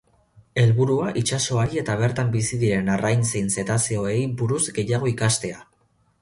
Helburua itsasoari eta bertan bizi diren arrain eta zetazeoei buruz gehiago ikastea.